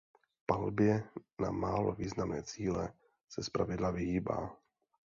Palbě na málo významné cíle se zpravidla vyhýbá.